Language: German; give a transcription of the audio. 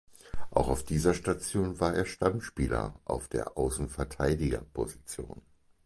Auch auf dieser Station war er Stammspieler auf der Außenverteidigerposition.